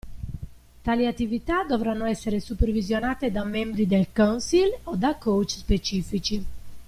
Tali attività dovranno essere supervisionate da membri del council o da coach specifici.